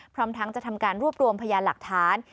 พร้อมทั้งจะทำการรวบรวมพยานหลักฐาน